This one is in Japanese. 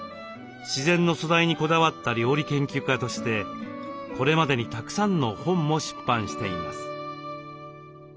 自然の素材にこだわった料理研究家としてこれまでにたくさんの本も出版しています。